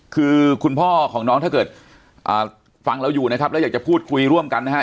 คือคุณพ่อของน้องถ้าเกิดฟังเราอยู่นะครับแล้วอยากจะพูดคุยร่วมกันนะฮะ